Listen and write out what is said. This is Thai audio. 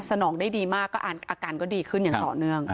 นองได้ดีมากก็อาการก็ดีขึ้นอย่างต่อเนื่อง